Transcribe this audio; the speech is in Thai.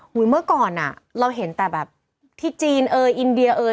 เหมือนเมื่อก่อนเราเห็นแต่แบบที่จีนเอออินเดียเออ